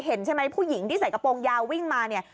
เห็นใช่ไหมผู้หญิงที่ใส่กระโปรงยาววิ่งมาเนี่ย